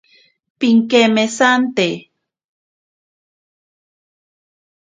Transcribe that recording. Pinkemesante.